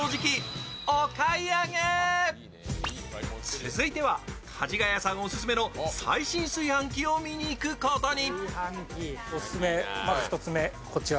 続いてはかじがやさんオススメの最新炊飯器を見に行くことに。